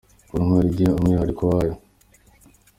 Buri ntwari igira umwihariko wa yo.